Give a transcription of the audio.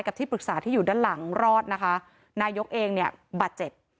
ที่ปรึกษาที่อยู่ด้านหลังรอดนะคะนายกเองเนี่ยบาดเจ็บ